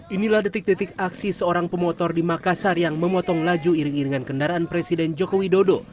inilah detik detik aksi seorang pemotor di makassar yang memotong laju iring iringan kendaraan presiden joko widodo